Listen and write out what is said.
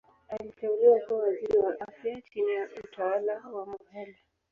Aliteuliwa kuwa Waziri wa Afya chini ya utawala wa Mokhehle.